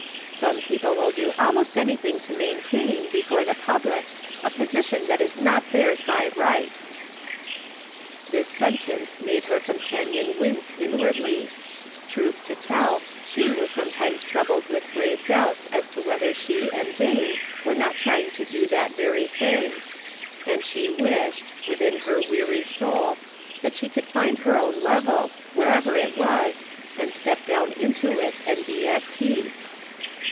Some people will do almost anything to main tain, before the public, a position that is not theirs by right." This sentence made her companion wince inwardly; truth to tell she was sometimes troubled with grave doubts as to whether she Interrogation Point*. 91 and Dane were not trying to do that very thing ; and she wished, within her weary soul, that she could find her own level, wherever it was, and step down into it and be at peace.